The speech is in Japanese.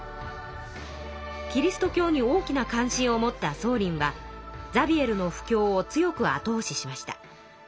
キリスト教に大きな関心を持った宗麟はザビエルの布教を強くあとおししました。